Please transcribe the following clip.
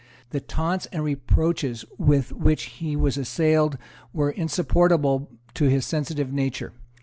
The taunts and reproaches with which he was assailed were insupportable to his sensitive nature.